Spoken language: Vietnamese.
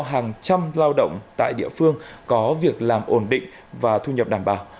hàng trăm lao động tại địa phương có việc làm ổn định và thu nhập đảm bảo